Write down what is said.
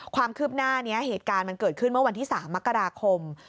ความคืบหน้านี้เหตุการณ์มันเกิดขึ้นเมื่อวันที่๓มกราคม